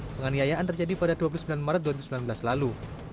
penganiayaan terjadi pada dua puluh sembilan maret dua ribu sembilan belas lalu